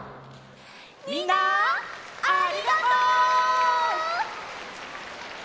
みんなありがとう！